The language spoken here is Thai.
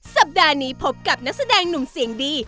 สัปดาห์นี้พบกับนักแสดงหนุ่มเสียงดี